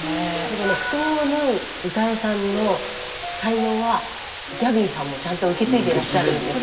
この布団を縫うウタエさんの才能はギャビンさんもちゃんと受け継いでらっしゃるんですね。